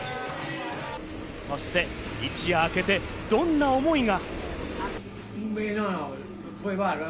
そして、一夜明けてどんな思いが。